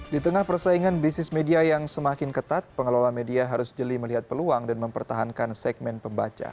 di tengah persaingan bisnis media yang semakin ketat pengelola media harus jeli melihat peluang dan mempertahankan segmen pembaca